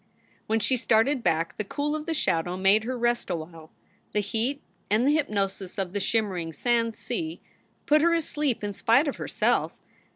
When she started back the cool of the shadow made her rest awhile. The heat and the hypnosis of the shimmering sand sea put her asleep in spite of herself.